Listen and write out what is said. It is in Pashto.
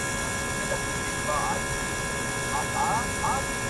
دا متعصبين خورا بې غيرته